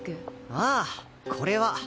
ああこれは。